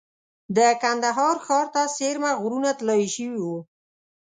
د کندهار ښار ته څېرمه غرونه طلایي شوي وو.